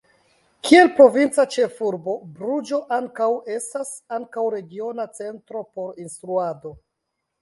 Kiel provinca ĉefurbo Bruĝo ankaŭ estas ankaŭ regiona centro por instruado.